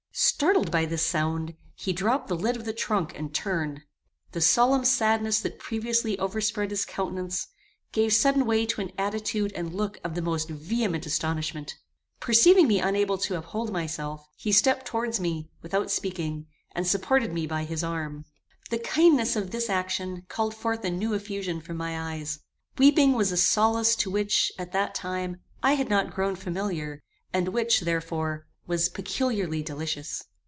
Startled by this sound, he dropped the lid of the trunk and turned. The solemn sadness that previously overspread his countenance, gave sudden way to an attitude and look of the most vehement astonishment. Perceiving me unable to uphold myself, he stepped towards me without speaking, and supported me by his arm. The kindness of this action called forth a new effusion from my eyes. Weeping was a solace to which, at that time, I had not grown familiar, and which, therefore, was peculiarly delicious.